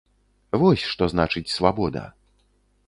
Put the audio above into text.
Вось, што значыць свабода.